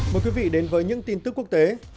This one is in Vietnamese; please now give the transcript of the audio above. mời quý vị đến với những tin tức quốc tế